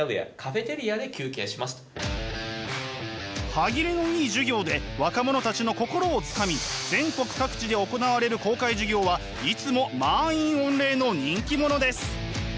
歯切れのいい授業で若者たちの心をつかみ全国各地で行われる公開授業はいつも満員御礼の人気者です。